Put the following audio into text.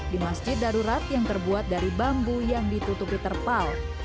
di masjid darurat yang terbuat dari bambu yang ditutupi terpal